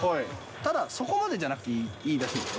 ただ、そこまでじゃなくていいんだそうで。